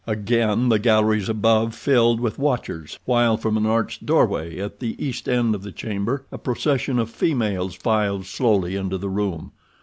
Again the galleries above filled with watchers, while from an arched doorway at the east end of the chamber a procession of females filed slowly into the room.